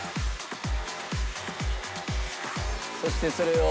そしてそれを。